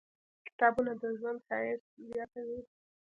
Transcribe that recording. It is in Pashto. • کتابونه، د ژوند ښایست زیاتوي.